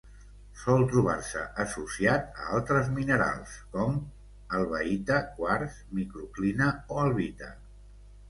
Sol trobar-se associat a altres minerals com: elbaïta, quars, microclina o albita.